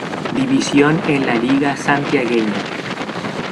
División en la Liga Santiagueña.